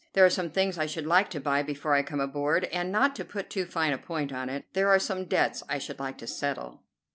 There are some things I should like to buy before I come aboard, and, not to put too fine a point to it, there are some debts I should like to settle."